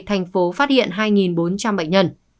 thành phố phát hiện hai bốn trăm linh bệnh nhân